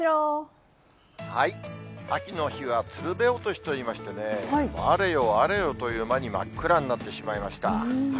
秋の日は、つるべ落としといいましてね、あれよあれよという間に真っ暗になってしまいました。